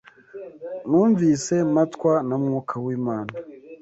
Numvise mpatwa na Mwuka w’Imana